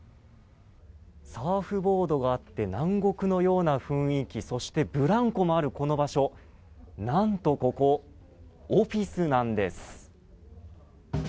サーフボードがあって南国のような雰囲気そしてブランコもあるこの場所何とここ、オフィスなんです。